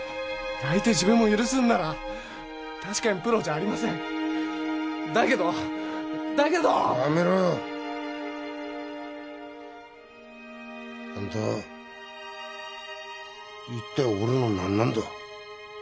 泣いて自分を許すのならたしかにプロじゃありませんだけどやめろよアンタ一体俺の何なんだ？